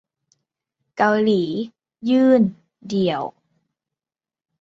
เกาหลี ยื่น "เดี่ยว"